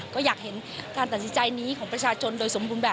ก็อยากเห็นการตัดสินใจนี้ของประชาชนโดยสมบูรณ์แบบ